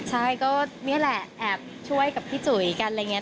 ใช่ก็นี่แหละแอบช่วยกับพี่จุ๋ยกันอะไรอย่างนี้